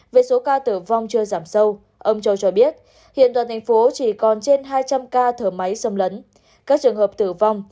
về số ca tử vong chưa giảm sâu ông châu cho biết hiện toàn thành phố chỉ còn trên hai trăm linh ca thở máy xâm lấn